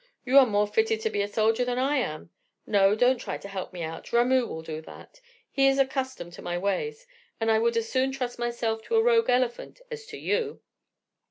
You are more fitted to be a soldier than I am. No, don't try to help me out; Ramoo will do that he is accustomed to my ways, and I would as soon trust myself to a rogue elephant as to you."